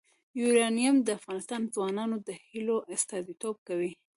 یورانیم د افغان ځوانانو د هیلو استازیتوب کوي.